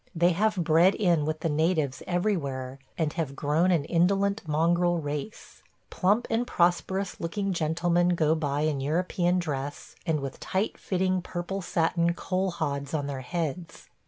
They have bred in with the natives everywhere and have grown an indolent mongrel race. ... Plump and prosperous looking gentlemen go by in European dress and with tight fitting purple satin coal hods on their heads.